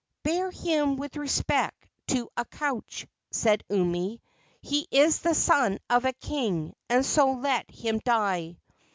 "Bear him with respect to a couch," said Umi. "He is the son of a king, and so let him die."